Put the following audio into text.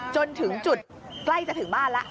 จนถึงจุดใกล้จะถึงบ้านแล้ว